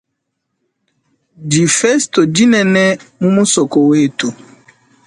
Ndifesto dinene mu musoko wetu.